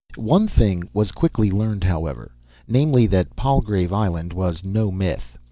One thing was quickly learned, however; namely, that Palgrave Island was no myth.